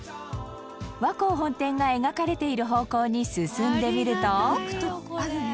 和光本店が描かれている方向に進んでみると羽田：行くと、あるの？